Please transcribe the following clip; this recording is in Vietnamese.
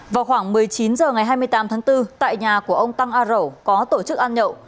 vào khoảng một mươi chín h ngày hai mươi tám tháng bốn tại nhà của ông tăng a rẩu có tổ chức ăn nhậu